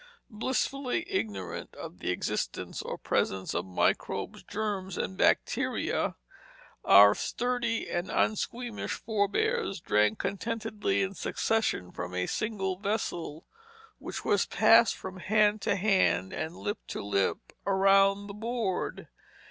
Blissfully ignorant of the existence or presence of microbes, germs, and bacteria, our sturdy and unsqueamish forbears drank contentedly in succession from a single vessel, which was passed from hand to hand, and lip to lip, around the board.